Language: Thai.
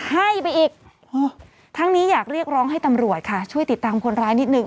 ให้ไปอีกทั้งนี้อยากเรียกร้องให้ตำรวจค่ะช่วยติดตามคนร้ายนิดนึ